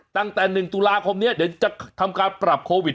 ตั้งแต่๑ตุลาคมนี้เดี๋ยวจะทำการปรับโควิด